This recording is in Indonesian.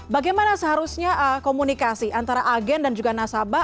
bagaimana seharusnya komunikasi antara agen dan juga nasabah